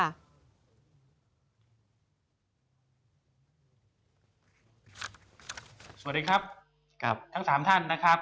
สวัสดีครับครับทั้งสามท่านนะครับ